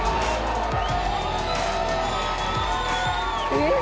えっ？